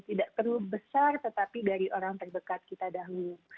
tidak perlu besar tetapi dari orang terdekat kita dahulu